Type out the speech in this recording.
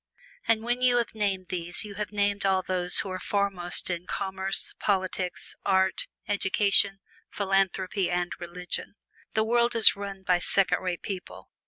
And when you have named these you have named all those who are foremost in commerce, politics, art, education, philanthropy and religion. The world is run by second rate people.